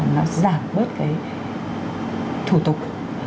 nó giảm bớt cái thủ tục